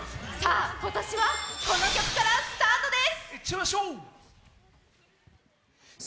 今年はこの曲からスタートです！